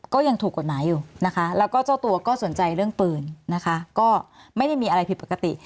ก็ยังถูกกฎหมายอยู่นะคะแล้วก็เจ้าตัวก็สนใจเรื่องปืนนะคะก็ไม่ได้มีอะไรผิดปกติ